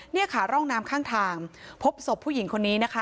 นี่ค่ะร่องน้ำข้างทางพบศพผู้หญิงคนนี้นะคะ